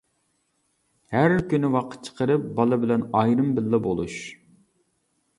ھەر كۈنى ۋاقىت چىقىرىپ بالا بىلەن ئايرىم بىللە بولۇش.